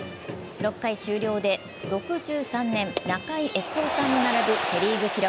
６回終了で６３年、中井悦雄さんに並ぶセ・リーグ記録。